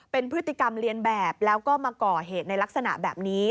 เป็นพฤติกรรมเรียนแบบแล้วก็มาก่อเหตุในลักษณะแบบนี้